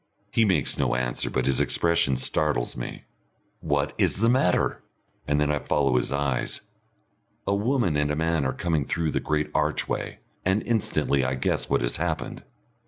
He makes no answer, but his expression startles me. "What is the matter?" and then I follow his eyes. A woman and a man are coming through the great archway and instantly I guess what has happened.